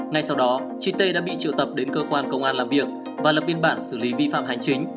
ngay sau đó chị tê đã bị triệu tập đến cơ quan công an làm việc và lập biên bản xử lý vi phạm hành chính